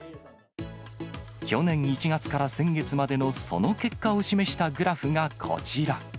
去年１月から先月までのその結果を示したグラフがこちら。